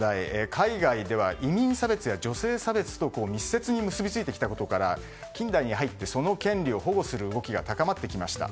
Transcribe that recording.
海外では、移民差別や女性差別と密接に結びついてきたことから近代に入って、その権利を保護する動きが高まってきました。